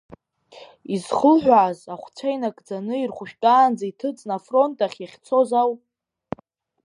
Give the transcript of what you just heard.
Изхылҳәааз, ахәцәа инагӡаны ирхәышәтәаанӡа иҭыҵны афронт ахь иахьцоз ауп.